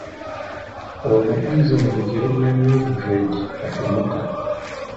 Ono azze mu bigere bya Mildred Bahemuka.